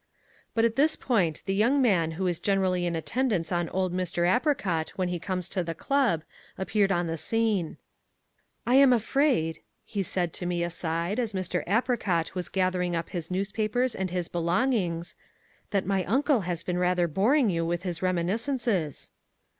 But at this point the young man who is generally in attendance on old Mr. Apricot when he comes to the club, appeared on the scene. "I am afraid," he said to me aside as Mr. Apricot was gathering up his newspapers and his belongings, "that my uncle has been rather boring you with his reminiscences."